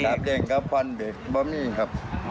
ถ้าเด็กก็พ้นเด็กบ้างมีครับ